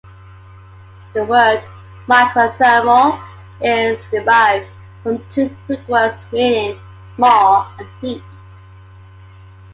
The word "microthermal" is derived from two Greek words meaning "small" and "heat".